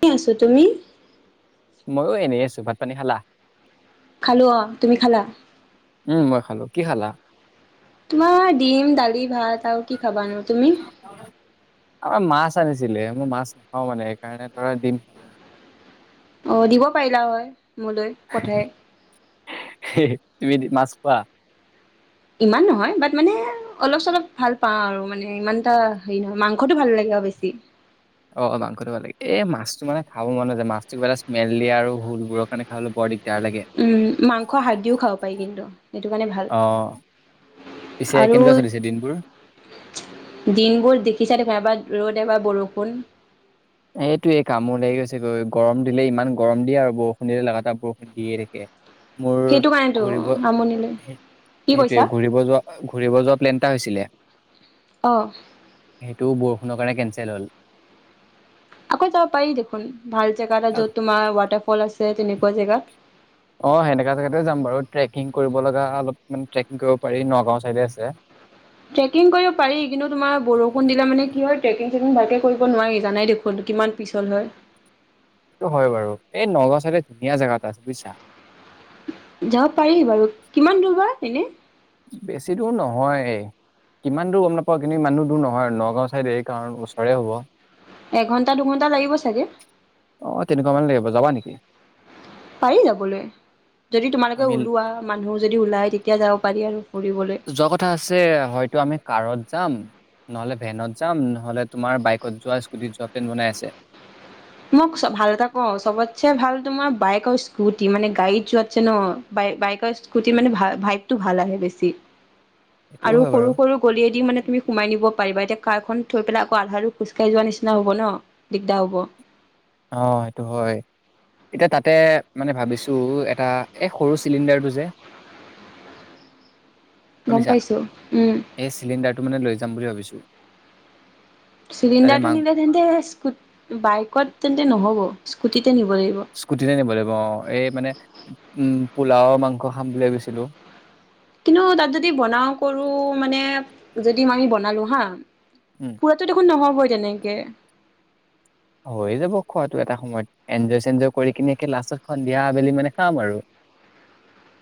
কি আছো তুমি। ময়ো এনেই আছো ভাত পানী খালা। খালো অ তুমি খালা। উম মই খালো কি খালা। তোমাৰ ডিম দালি ভাত আৰু কি খাবা নো তুমি আমাৰ মাছ আছিলে মই মাছ নাখাও মানে সেইকাৰণে ধৰা দিম খালো মই অ দিব পাৰিলা হয়। মোলৈ পঠায়। তুমি মাছ খোৱা ইমান নহয় বাট মানে অলপ চলপ ভাল পাওঁ আৰু মানে ইমান এটা হেৰি নহয় মাংসটো ভাল লাগে আৰু বেছি। অ মাংসটো ভাল লাগে এই মাছটো মানে খাব মন নাযায় মাছটো কিবাটা স্মেল দিয়ে আৰু সেইবোৰৰ কাৰণে খাবলৈ বৰ দিগদাৰ। লাগে। উম মাংস হাড়দিও খাব পাৰি কিন্তু সেইটো কাৰণে ভাল অ পিছে আৰু কেনেকুৱা চলিছে দিনবোৰ? দিনবোৰ দেখিছা দেখুন এবাৰ। ৰ'দ এ বাৰ বৰষুণ এইটোয়ে কামো লাগি গৈছে গৈ গৰম দিলে ইমান গৰম দিয়ে আৰু বৰষুণ দিলে লাগাটা বৰষুণ দিয়ে থাকে। মোৰ সেইটো কাৰণেতো ঘূৰিব আমনিলৈ কি সেইটোৱে কৈছা ঘূৰিব যোৱা ঘূৰিব যোৱা প্লেন এটা হৈছিলে অ। সেইটো বৰষুণৰ কাৰণে কেঞ্চেল হ'ল। আকৌ যাব পাৰি দেখোন ভাল জেগা এটা যত তোমাৰ ৱাটাৰফল আছে। তেনেকুৱা জেগাত অ সেনেকা জেগাতে যাম বাৰু ট্ৰেকিং কৰিব লগা অলপ মান ট্ৰেকিং কৰিব পাৰি নগাঁও চাইডে আছে। ট্ৰেকিং কৰিব পাৰি কিন্তু তোমাৰ বৰষুণ দিলে মানে কি হয় ট্ৰেকিং। ভালকে কৰিব নোৱাৰি জানাই দেখোন কিমান পিছল হয় সেইটো হয় বাৰু এই নগাঁও চাইে ধুনীয়া জেগা এটা আছে বুজিছা যাব পাৰিবাৰু কিমান দূৰ পৰা এনে বেছি দূৰ নহয় এই কিমান দূৰ গম নাপাও কিন্তু ইমান দূৰ নহয় নগাঁও চাইদে এই কাৰণ ওচৰে হ'ব এঘণ্টা দুঘণ্টা লাগিব চাগে অ তেনেকুৱা মানে [unintelligible] পাৰি যাবলৈ যদি তোমালোকে আমি ওলোৱা মানুহ যদি ওলাই তেতিয়া যাও পাৰি আৰু ফুৰিবলৈ যোৱা কথা আছে হয়তো আমি কাৰত যাম নহলে ভেনত যাম নহলে তোমাৰ বাইকত যোৱা স্কুটিত যোৱা প্লেন বনাই আছে মোক ভাল এটা কও চবতছে ভাল তোমাৰ বাইক আৰু স্কুটি মানে গাড়ীত যোৱাত ন বাইক স্কুটি মানে ভাইবটো ভাল আহে বেছি সেইটোও আৰু হয় সৰু বাৰু সৰু গলিয়েদি মানে তুমি সোমাই নিব পাৰিবা এতিয়া কাৰ খন থৈ পেলাই আকৌ আধা দুৰ খোজ কাঢ়ি যোৱা নিচিনা হব ন দিগদাৰ হব অ সেইটো হয় এতিয়া তাতে মানে ভাবিছো এটা এই সৰু চিলিণ্ডাৰটো যে গম শুনিছা পাইছো উম এই চিলিণ্ডাৰটো মানে লৈ যাম বুলি ভাবিছো তাতে চিলিণ্ডাৰটো মাং নিলে তেন্তে ইচ বাইকত তেন্তে নহ'ব স্কুটিত স্কুটিতে নিব লাগিব অ এই মানে উম পোলাওৰ মাংস খাম বুলি গৈছিলো কিন্তু তাত যদি বনাও কৰো মানে যদি আমি বনালো হা উম খুৱাটো দেখোন নহ'ব কেনেকে হৈ যাব খোৱাটো এটা সময়ত এনজয় সেঞ্জয় কৰি কিনে লাষ্টত সন্ধিয়া আবেলি মানে খাম আৰু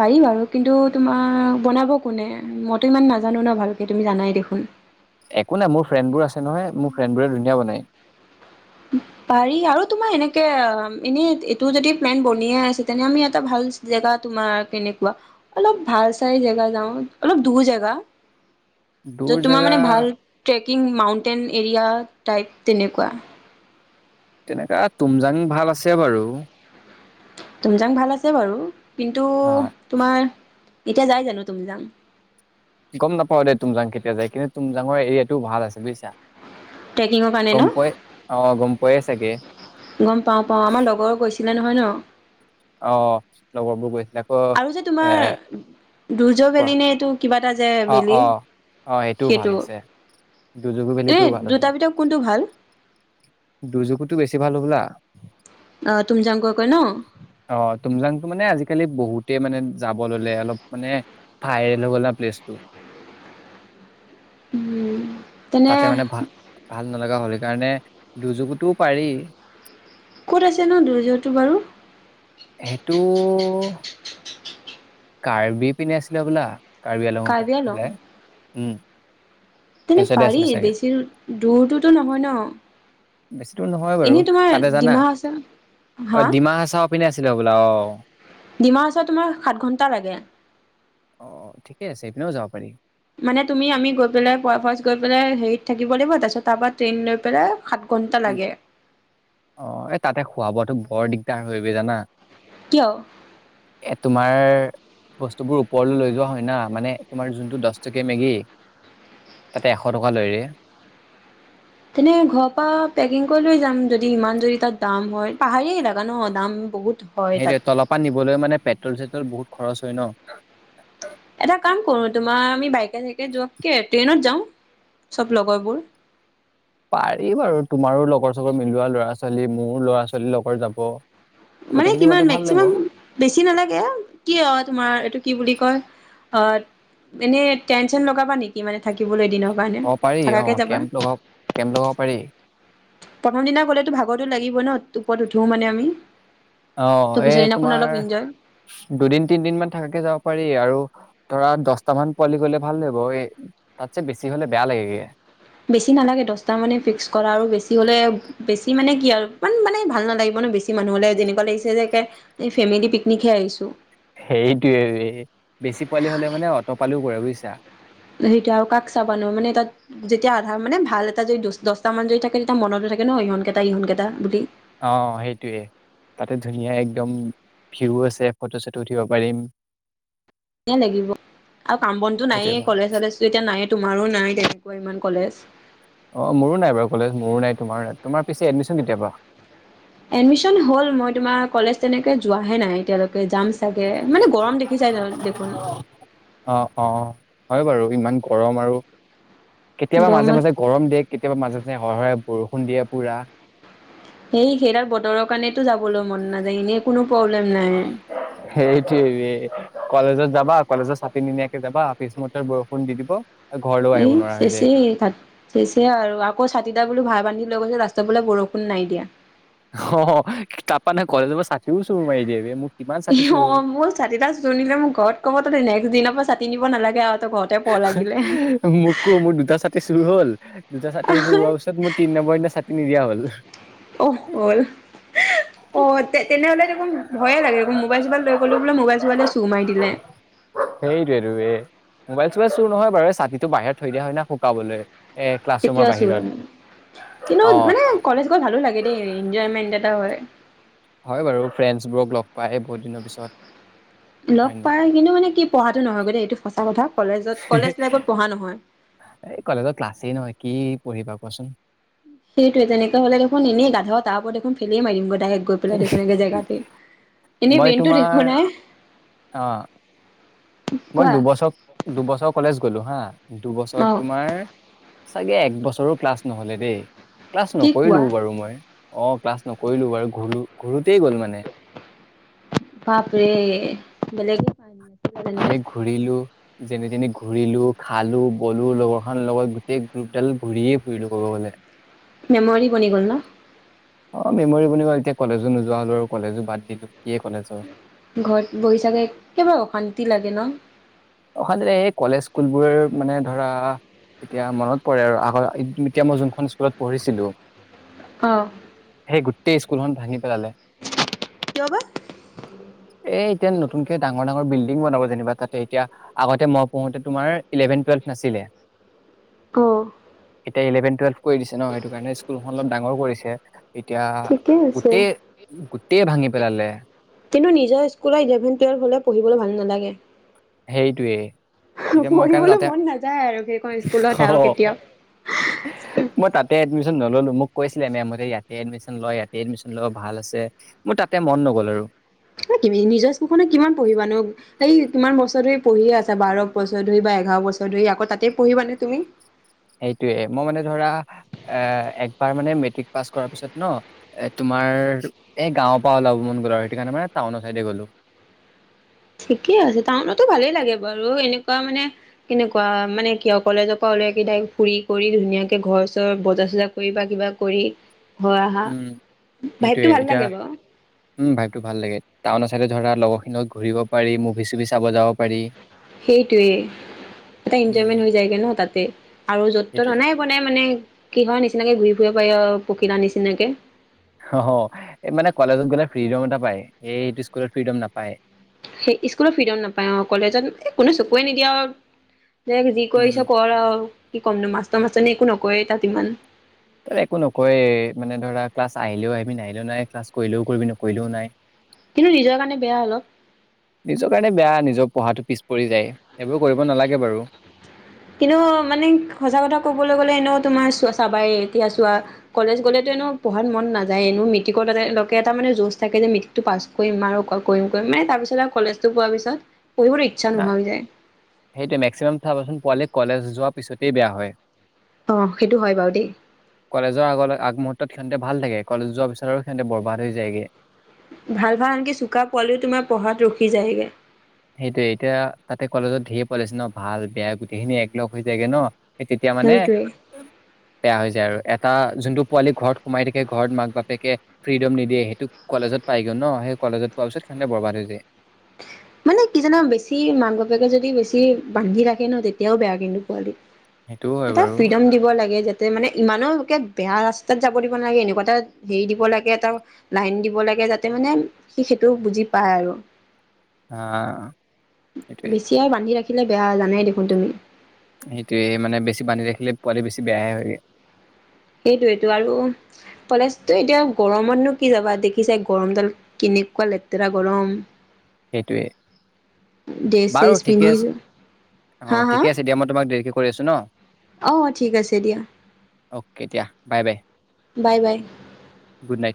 পাৰি বাৰু কিন্তু তোমাৰ বনাব কোনে মইতো ইমান নাজানো ন ভালকে তুমি জানাই দেখোন একো নাই মোৰ ফ্ৰেণ্ডবোৰ আছে নহয় মোৰ ফ্ৰেণ্ডবোৰে ধুনীয়া বনায় পাৰি আৰু তোমাৰ এনেকে এনে এইটো যদি প্লেন বনিয়ে আছে তেনে আমি এটা ভাল জেগা তোমাৰ কেনেকুৱা অলপ ভাল চাই জেগা যাওঁ অলপ দূৰ জেগা য'ত দূৰ তোমাৰ জেগা মানে ভালে কিং মাউণ্টেইন এৰিয়া টাইপ তেনেকুৱা তেনেকা তুমজাং ভাল আছে বাৰু তুমজাং ভাল আছে বাৰু কিন্তু হা তোমাৰ এতিয়া যাই জানো তুমজাং গম নাপাও দেই তুমজাং কেতিয়া যায় কিন্তু তুমজাঙৰ এৰিয়াটো ভাল আছে বুজিছা ট্ৰেকিঙৰ কাৰণে গম পাই ন অ গম পাই চাগে গম পাওঁ পাওঁ আমাৰ লগৰো কৈছিল মে নহয় ন অ লগৰবোৰ গৈ আৰু যে তোমাৰ দুৰ্য কোৱা ভেলি নেটো কিবা এটা যে অ ভেলি অ অ সেইটোও ভাল সেইটো, আছে দুজুগু ভেলিটোও এনে দুটা ভিতৰত কোনটো ভাল? দুযুকোতো বেছি ভাল হ'বলা। অ তুম জাংকৈ কৈ ন। অ তুমজাংটো মানে আজিকালি বহুতে মানে যাব ললে অলপ মানে ভাইৰেল হৈ গল ন প্লেচটো উম তেনে তাতে মানে ভাল ভাল নলগা হ'লে সেইকাৰণে দুুযোকোটোও পাৰি ক'ত আছে ন দুযুকুটো বাৰু সেইটো কাৰ্বি পিনে আছিলে হবলা কাৰ্বি আলঙৰ ফালে উম সেই তেনে চাইডে পাৰি আছিলে চাগে বেছি দূৰটোতো নহয় ন বেছি দূৰ নহয় বাৰু এনেই তোমাৰ তাতে জানা ডিমা হাছা হা অ ডিমা হাছাও আছিলে বোলা অ ডিমা হাছাও তোমাৰ সাত ঘণ্টা লাগে অ ঠিকে আছে ইপিনেও যাব পাৰি মানে তুমি আমি গৈ পেলা ফাষ্ট গৈ পেলা হেৰিত থাকিব লাগিব তাৰপিছত তাৰ ট্ৰেইন লৈ প উ অ এই তাতে খোৱা বোৱাটো বৰ দিগদাৰ তাৰ হৈ বে জানা কিয় এ তোমাৰ বস্তুবোৰ ওপৰলৈ লৈ যোৱা হয় না মানে তোমাৰ যোনটো দহ টকিয়া মেগী তাতে এশ টকা লয়ৰে তেনে ঘৰ পৰা পেকিং কৰি লৈ যাম যদি ইমান যদি তাত দাম হয় পাহাৰ এ সেইটোৱে তলপ পৰা নিবলৈ মানে পেট্ৰল চেট্ৰল বহুত খৰচ হয় ন এটা কাম কৰো তোমাৰ আমি বাইকে চাইকে যোৱাতকে ট্ৰেইনত যাওঁ চব লগৰবোৰ পাৰি বাৰু তোমাৰো লগৰ চগৰ মিলোৱা ল'ৰা ছোৱালী মোৰ ল'ৰা ছোৱালীৰ লগৰ যাব মানে গোটেইখিনি কিমান গ'লে ভাল লাগিব মেক্সিমাম বেছি নালাগে কি অ তোমাৰ এইটো কি বুলি কয় অ এনে টেনচেন লগাবা নেকি মানে থাকিবলৈ এদিনত অ পাৰি অ কেম্প লগাব কেম্প লগাব পাৰি প্ৰথম দিনা গ'লেতো ভাগৰতো লাগিব ন ওপৰত উঠো মানে আমি অ ত এই পিছৰ দিনাখন তোমাৰ অলপ ইনজয় দুদিন তিনদিন মান থকাকে যাব পাৰি আৰু ধৰা দহটামান পোৱালি গলে ভাল লাগিব এ তাতছে বেছি হলে বেয়া লাগে গে বেছি নালাগে দহটা মানে ফিক্স কৰা আৰু বেছি হ'লে বেছি মানে কি আৰু ইমান মানে ভাল নালাগিব ন বেছি মানুহ হ'লে যেনেকুৱা লাগিছে যে একে ফেমিলি পিকনিকহে আহিছোঁ। সেইটোয়ে বেছি পোৱালি হলে মানে অটপালিও কৰে বুজছ আছা সেইটো আৰু কাক চাবানো মানে তাত যেতিয়া আধা মানে ভাল এটা য দহট মান যদি থাকে তেতিয়া মনতো থাকে ন ইহনকেইটা ইহনকেইটা বুলি অ সেইটোৱে তাতে ধুনীয়া একদম ভিউ আছে ফটো চটো উঠিব পাৰিম। লাগিব আৰু কাম বনতো নাইে সেইটোৱে মই। কলেজ চলেজো এতিয়া নাই তোমাৰো নাই তেনেকুৱা ইমান কলেজ অ মোৰো নাই বাৰু কলেজ মোৰো নাই তোমাৰ তোমাৰ পিছে এডমিশন কেতিয়াৰ পৰা এডমিশন হল মই তোমাৰ কলেজ তেনেকে যোৱাহে নাই এতিয়ালৈকে যে জাম চাগে মানে গৰম দেখিছাই দেখোন। অ', অ', হয় বাৰু ইমান গৰম আৰু কেতিয়াবা মাজে গৰমত মাজে গৰম দে কেতিয়াবা মাজে মাজে হৰহৰে বৰষুণ দিয়ে পোৰা সেই সেইডাল বতৰৰ দোকানতো যাবলৈ মন নাযায় এনেই কোনো প্ৰব্লেম নাই সেইটোৱে, কলেজত যাবা কলেজত চাতি নিনিয়াকে যাবা পিছ মুহূৰ্তত বৰষুণ দি দিব। ঘৰলৈও এ আহিব নোৱাৰা হৈ যায়। চেচে চেচে আৰু আকৌ চাতি ডাল বোলো ভাৰ বান্ধি লৈ গলে ৰাস্তাতবোলে বৰষুণ নাই দিয়া। অ তাপা নে কলেজৰ পৰা ছাতিও চুৰ মাৰি দিয়ে কিমান ছাতি চুৰ অ হ'ল। মোৰ ছাতি ডাল চুৰ নিলে মোক ঘৰত ক'ব তই নেক্সট দিনৰ পৰা চাতি নিব নালাগে গে আও মোকো মোৰ দুটা ছাতি চুৰ হ'ল দুটা ছাতি চো হোৱাৰ পিছত মোৰ তিন নম্বৰ দিনা ছাতি নিদিয়া হ'ল। অ হল অহ তে তেনেহলে দেখোন ভয়ে লাগে মোবাইল চোবাইল লৈ গলো বোলে মোবাইল চোবাইলে চুৰ মাৰি দিলে! মোবাই চবাইল চুৰ নহয় বাৰ এই ছাতিটো বাহিৰ থৈ দিয়া ন শুকাবলৈ। এ ক্লাছৰুমৰ কেতিয়া চোৰ বাহিৰত আৰু কিন্তু অ মানে কলেজ গৈ ভালো লাগে দেই এনজয়মেন্ট এটা হয় হয় বাৰু ফ্ৰেণ্ডছ বোৰক লগ পাই বহুত দিনৰ পিছত লগ হয় নাই পাই কিন্তু মানে কি পঢ়াটো নহয় গে দেই এইটো সঁচা কথা কলেজত কলেজ লাইফত পঢ়া নহয়। এই কলেজত ক্লাছেই নহয় কি পঢ়িবা কোৱাচোন সেইটোয়ে তেনেকে হ'লে দেখোন এনেই গাধ তাৰ ওপৰত দেখোন ফেলে মাৰিম গৈ ডাইৰেক্ট গৈ পেলাই দেখোন ন এগে জেগাতে এনেই মই বেইনটো ত তোমাৰ একো নাই! অ মই কোৱা দুবছৰ দুবছৰ কলেজ গ'লো হা অ দুবছৰত তোমাৰ চাগে একবছৰো ক্লাছ নহলে দেই ক্লাছ কি কোৱা নকৰিলোও বাৰু মই অ ক্লাছ নকৰিলো বাৰু ঘূৰু ঘূৰোতেই গ'ল মানে। বাপৰে বেলেগে পাল ইয়াত আমি ঘূৰিলো যেনে তেনি ঘূৰিলো খালো বলো লগৰখনৰ লগত গোটেই গ্ৰুপডাল ঘূৰিয়ে ফুৰিলো ক'ব গ'লে মেমৰি বনি গ'ল ন অ মেমৰি বনি গ'ল এতিয়া কলেজো নোযোৱা হলো আৰু কলেজো বাদ দিলো কিয়ে কলেজৰ ঘৰত বহি চাগে একেবাৰে অশান্তি লাগে ন অশান্তি লাগে এ কলেজ স্কুলবোৰ মানে ধৰা এতিয়া মনত পৰে আৰু আগৰ এতিয়া মই যোনখন স্কুলত পঢ়িছিলো অ তেই স্কুলখন ভাঙি পেলালে কিয় বা এই এতিয়ানো নতুনকে ডাঙৰ ডাঙৰ বিল্ডিং বনাব যেনিবা তাতে এতিয়া আগতে মই পঢ়োতে তোমাৰ ইলেভেন টুৱেলভ নাছিলে অ' তে ইলেভেন টোৱেলভ কৰি দিছে ন সেইটো কাৰণে স্কুলখন অলপ ডাঙৰ কৰিছে এতিয়া ঠিকে আছে গোটেই গোটেই ভাঙি পেলালে কিন্তু নিজৰ স্কুলৰ ইলেভেন টুৱেল্ভ হ'লে পঢ়িবলৈ ভাল নালাগে সেইটোৱে, এতিয়া মই কাৰণে পঢ়িবলৈ তাতে মন নাযায় আৰু সেইখন স্কুলত আৰু অ কেতিয়াও মই তাতে ইাতে এডমিশ্যন নললো। মোক কৈছিলে মেমহতে ইয়াতে এডমিশ্যন লয়, ইয়াতে এডমিশ্যন ল ভাল আছে মোৰ তাতে মন নগ'ল আৰু কি নিজৰ স্কুলখননে কিমান পঢ়িবানো। সেই কিমান বছৰ ধৰি পঢ়িয়ে আছা বাৰ বছৰ ধৰি বা এঘাৰ বছৰ ধৰি আকৌ তাতেই পঢ়িবানে তুমি সেইটোৱে মই মানে ধৰা এ একবাৰ মানে মেট্ৰিক পাছ কৰাৰ পিছত ন। এ তোমাৰ এই গাঁওৰ পৰা ওলাব মন গ'লো আৰু সেইটো কাৰণে মানে টাউনৰ চাইডে গ'লো। ঠিকে আছে টাউনতো ভালেই লাগে বাৰু। এনেকুৱা মানে কেনেকুৱা মানে কিয় কলেজৰ পৰা উলিয়াই ক তাই ফুৰি কৰি ধুনীয়াকে ঘৰ চৰ বজা চজা কৰি বা কিবা কৰি। হৈ আহা উম ভাইবটো সেইটোয়ে ভাল এতিয়া লাগে বাৰু উম ভাইতো ভাল লাগে টাউন আ। ততে ধৰা লগৰখিনি ঘূৰিব পাৰি মুভি চুভি চাব যাব পাৰি। সেইটোৱে এটা উম এনজয়মেন্ট হৈ যায়গে ন তাতে আৰু য'ত ত'ত সেইটোৱে অননাই বনাই মানে। কি হয় নিচিনাকে ঘূৰি ফুৰিব পাৰি আৰু পখিলা নিচিনাকে। অ মানে কলেজত গ'লে ফ্ৰীডম এটা পায়। এইটো স্কুলত ফ্ৰিডম নাপায়। সেই স্কুলৰ ফ্ৰীডন নাপায় আৰু কলেজত কোনে চকুৱে নিদিয়া আৰু দে যি কৰিছ উম, কৰা আৰু কি ক'মনো মাছট মাছটনিয়ে একো নকয় তাত ইমান একো নকয়ে মানে ধৰা ক্লাছ আহিলেও আহিবি ন আহিলেও নাই ক্লাছ কৰিলেও কৰিবি নকৰিলেও নাই কিন্তু নিজৰ কাৰণে বেয়া অলপ নিজৰ কাৰণে বেয়া নিজৰ পঢ়াটো পিছ পৰি যায় সেইবোৰ কৰিব নালাগে বাৰু কিন্তু মানে সঁচা কথা কবলৈ গ'লে এনে তোমাৰ চ চাবাই এতিয়া চোৱা কলেজ গলেতো পঢ়াত মন নাযায় এনেো মেট্ৰিকৰে এটা মানে যোজ থাকে যে মেট্ৰিকটো পাছ কৰিম আৰু অ কৰিম কৰিম মে তাৰপিছত আৰু কলেজটো পোৱাৰ পিছত পঢ়িবলৈ ইচ্ছা নাই নোহোৱা হৈ যায় সেইটো মেক্সিমাম চাবাচোন পোৱালি কলেজ যোৱাৰ পিছতে বেয়া হয় আহ সেইটো হয় বাৰু দেই কলেজৰ আগলৈ আগমুহূৰ্তত সিহঁতে ভাল থাকে কলেজ যোৱাৰ পিছতো সিহঁতে বৰবাদ হৈ যায়গে ভাল ভাল আনকি চুকা পোৱালিও তোমাৰ পঢ়াত ৰখি যায়গৈ সেইটোয়ে এতিয়া তাতে কলেজত ধেই পালাইছে ন ভাল বেয়া গোটেইখিনি একলগ হৈ যায়গে ন তেতিয়া মানে সেইটোৱে বেয়া হৈ যায় আৰু এটা যোনটো পোৱালি ঘৰত সোমাই থাকে ঘৰত মাক বাপেকে ফ্ৰীডম নিদিয়ে, সেইটো কলেজত পাই গ'ল নহ সেই কলেজত পোৱা পিছত সেইটো বৰবাদ হৈ যায়। মানে কিজানা বেছি মাক বাপেকে যদি বেছি বান্ধি ৰাখে নহ তেতিয়াও বেয়া কিন্তু পোৱালী সেইটোও হয় এটা বাৰু ফ্ৰীডম দিব লাগে যে তাতে মানে ইমানোকে বেয়া ৰাস্তাত যাব দিব নালাগে এনেকুৱা এটা হেৰি দিব লাগে এটা লাইন দিব লাগে যাতে মানে সি সেইটো বুজি পায় আৰু অহ সেইটোৱে দেখিলে বেয়া জানেই দেখোন তুমি সেইটোৱে মানে বেছি বান্ধি ৰাখিলে পোৱালি বেছি বেয়াহে হৈ যায়। সেইটোৱেটো আৰু কলেজতো এতিয়া গৰমটনো কি যাবা দেখিচাই গৰমডাল কেনেকুৱা লেতেৰা গৰম সেইটোৱে ড্ৰেছ চেছ বাৰু ঠিকে পিন্ধি আছে অহ হা হা ঠিকে আছে দিয়া মই তোমাক দেৰিকে কৰি আছো নহ। অ ঠিক আছে দিয়া অহ এতিয়া bye bye bye bye good night